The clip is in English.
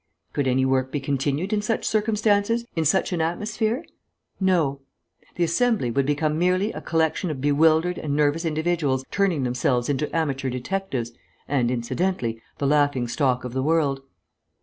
Could any work be continued in such circumstances, in such an atmosphere? No. The Assembly would become merely a collection of bewildered and nervous individuals turning themselves into amateur detectives, and, incidentally, the laughing stock of the world.